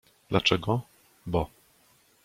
— Dlaczego? — Bo.